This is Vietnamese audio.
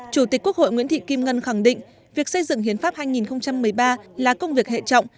chủ tịch quốc hội nguyễn thị kim ngân khẳng định việc xây dựng hiến pháp hai nghìn một mươi ba là công việc hệ trọng